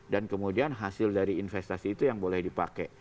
dan kemudian hasil dari investasi itu yang boleh dipakai